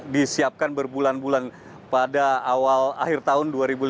disiapkan berbulan bulan pada awal akhir tahun dua ribu lima belas